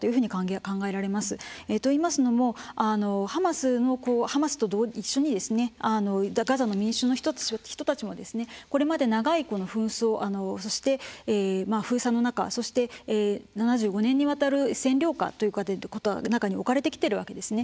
といいますのもハマスと一緒にガザの民衆の人たちもこれまで長い紛争そして封鎖の中そして７５年にわたる占領下という中に置かれてきているわけですね。